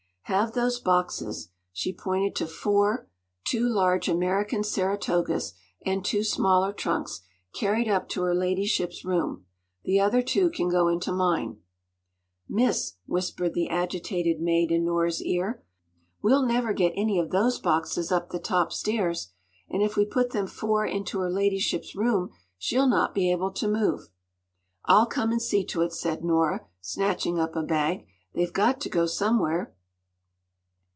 “Have those boxes—” she pointed to four—two large American Saratogas, and two smaller trunks—“carried up to her ladyship’s room. The other two can go into mine.” “Miss!” whispered the agitated maid in Nora’s ear, “we’ll never get any of those boxes up the top stairs. And if we put them four into her ladyship’s room, she’ll not be able to move.” “I’ll come and see to it,” said Nora, snatching up a bag. “They’ve got to go somewhere!